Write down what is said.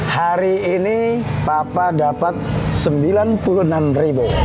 hari ini papa dapat sembilan puluh enam ribu